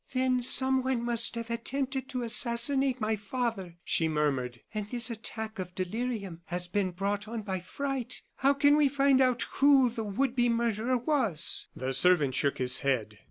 "Then someone must have attempted to assassinate my father," she murmured, "and this attack of delirium has been brought on by fright. How can we find out who the would be murderer was?" The servant shook his head.